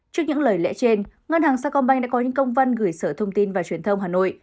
trước những lời lẽ trên ngân hàng sa công banh đã có những công văn gửi sở thông tin và truyền thông hà nội